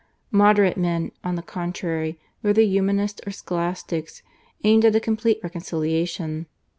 Moderate men, on the contrary, whether Humanists or Scholastics, aimed at a complete reconciliation.